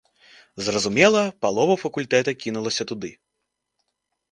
Зразумела, палова факультэта кінулася туды.